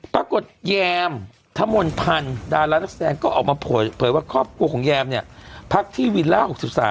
แยมทมนต์พันธ์ดารานักแสดงก็ออกมาเผยว่าครอบครัวของแยมเนี่ยพักที่วิลล่า๖๓